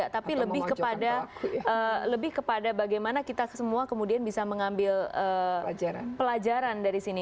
tapi lebih kepada lebih kepada bagaimana kita semua kemudian bisa mengambil pelajaran dari sini